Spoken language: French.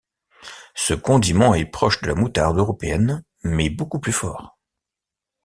Ce condiment est proche de la moutarde européenne, mais beaucoup plus fort.